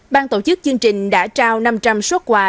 ban tổ chức chương trình đã trao năm trăm linh xuất quà